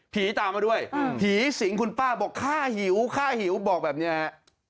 ผีต่างกันด้วยผีสิงคุณป้าบอกข้าหิวกข้าหิวบอกแบบนี้